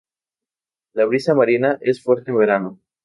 La brisa marina es fuerte en verano.